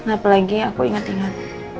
apalagi aku inget inget